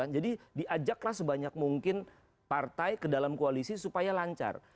jadi diajaklah sebanyak mungkin partai ke dalam koalisi supaya lancar